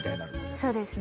そうですね。